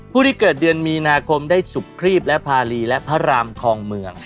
ผู้ที่เกิดเดือนมีนาคมได้สุขครีบและภารีและพระรามทองเมือง